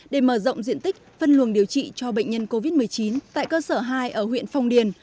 để mở rộng diện tích phân luồng điều trị cho bệnh nhân covid một mươi chín tại cơ sở hai ở huyện phong điền